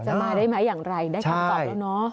มาได้ไหมอย่างไรได้คำตอบแล้วเนาะ